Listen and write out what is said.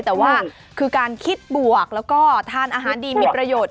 แต่ว่าคือการคิดบวกแล้วก็ทานอาหารดีมีประโยชน์